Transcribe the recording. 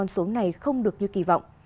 số này không được như kỳ vọng